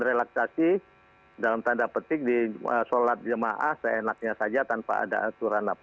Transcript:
relaksasi dalam tanda petik di sholat jemaah seenaknya saja tanpa ada aturan